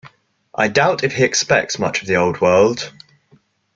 I doubt if he expects much of the old world.